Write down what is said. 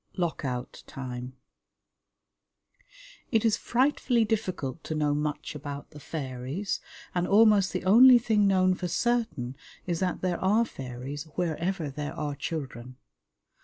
Lock Out Time It is frightfully difficult to know much about the fairies, and almost the only thing known for certain is that there are fairies wherever there are children.